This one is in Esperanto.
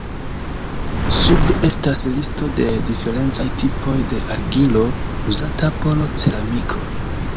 Sube estas listo de diferencaj tipoj de argilo uzata por ceramiko.